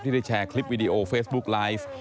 เพราะเขาเฟสบุ๊คไลฟ์